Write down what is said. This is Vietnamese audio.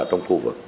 trong khu vực